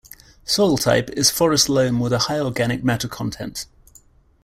Soil type is forest loam with a high organic matter content.